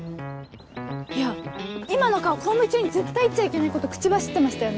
いや今の顔公務中に絶対言っちゃいけないこと口走ってましたよね？